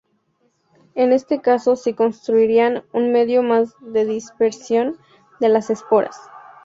En este caso sí constituirían un medio más de dispersión de las esporas.